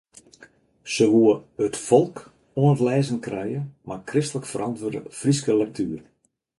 Se woe ‘it folk’ oan it lêzen krije mei kristlik ferantwurde Fryske lektuer.